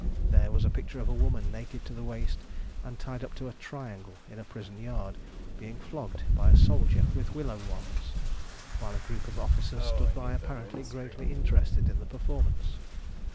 There was a picture of a woman naked to the waist, and tied up to a triangle in a prison yard, being flogged by a soldier with willow wands, while a group of officers stood by, apparently greatly interested in the performance.